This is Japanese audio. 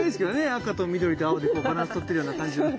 赤と緑と青でこうバランスとってるような感じで。